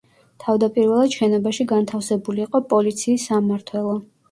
თავდაპირველად შენობაში განთავსებული იყო პოლიციის სამმართველო.